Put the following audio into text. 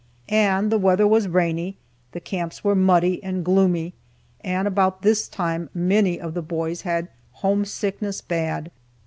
And the weather was rainy, the camps were muddy and gloomy, and about this time many of the boys had home sickness bad.